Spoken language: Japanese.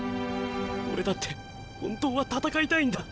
俺だって本当は戦いたいんだ。